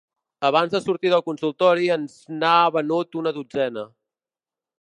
Abans de sortir del consultori ens n'ha venut una dotzena.